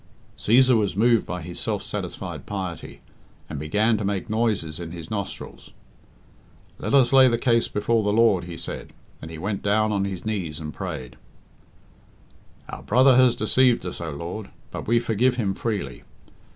Cæsar was moved by his self satisfied piety, and began to make' noises in his nostrils. "Let us lay the case before the Lord," he said; and he went down on his knees and prayed "Our brother has deceived us, O Lord, but we forgive him freely.